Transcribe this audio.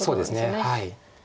そうですね。